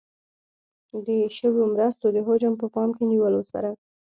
د شویو مرستو د حجم په پام کې نیولو سره.